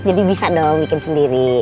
jadi bisa dong bikin sendiri